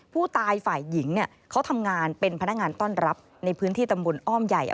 ฝ่ายหญิงเนี่ยเขาทำงานเป็นพนักงานต้อนรับในพื้นที่ตำบลอ้อมใหญ่